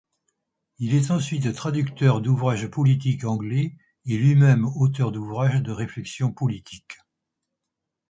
Il est ensuite traducteur d’ouvrages politiques anglais et lui-même auteur d'ouvrages de réflexion politique.